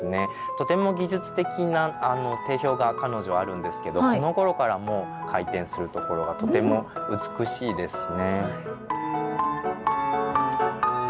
とても技術的な定評が彼女はあるんですけどこのころからもう回転するところがとても美しいですね。